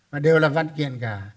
mà đều là văn kiện cả